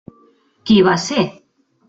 Qui va ser?